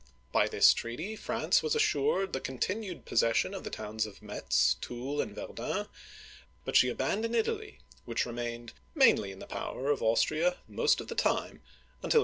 By this treaty France was assured the continued possession of the towns of Metz, Toul, and Verdun ; but she abandoned Italy, which remained mainly in the power of Austria most of the time tmtil 1859.